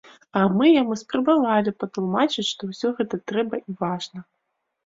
А мы яму спрабавалі патлумачыць, што ўсё гэта трэба і важна.